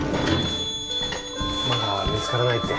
まだ見つからないって